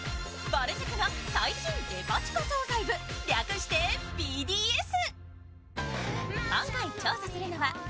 ぼる塾の最新デパ地下惣菜部、略してＢＤＳ。